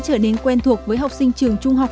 trở nên quen thuộc với học sinh trường trung học